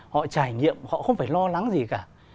họ trải nghiệm họ không phải lo lắng gì cả